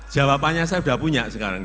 jawabannya saya sudah punya sekarang